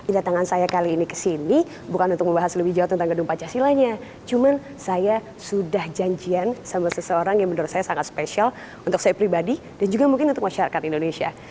kedatangan saya kali ini ke sini bukan untuk membahas lebih jauh tentang gedung pancasila nya cuman saya sudah janjian sama seseorang yang menurut saya sangat spesial untuk saya pribadi dan juga mungkin untuk masyarakat indonesia